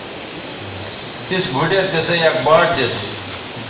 تِس بُھوڈیر تِسئ یک باٹ دیتھ